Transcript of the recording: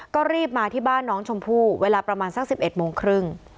ก็รีบมาที่บ้านน้องชมพู่เวลาประมาณสัก๑๑โมงครึ่ง